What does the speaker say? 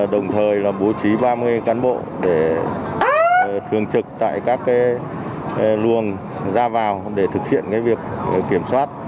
đồng thời là bố trí ba mươi cán bộ để thường trực tại các luồng ra vào để thực hiện việc kiểm soát